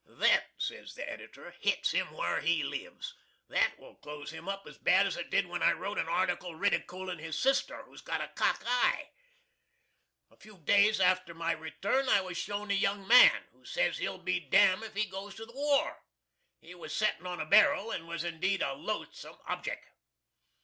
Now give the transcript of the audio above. "That," says the Editor, "hits him whar he lives. That will close him up as bad as it did when I wrote an article ridicooling his sister, who's got a cock eye." A few days after my return I was shown a young man, who says he'll be Dam if he goes to the war. He was settin' on a barrel, and was indeed a Loathsum objeck.